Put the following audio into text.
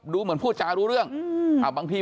เหมือนพูดจารู้เรื่องบางที